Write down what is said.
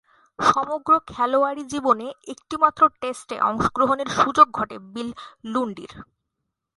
সমগ্র খেলোয়াড়ী জীবনে একটিমাত্র টেস্টে অংশগ্রহণের সুযোগ ঘটে বিল লুন্ডি’র।